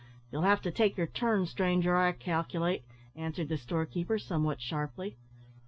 "You'll have to take your turn, stranger, I calculate," answered the store keeper, somewhat sharply.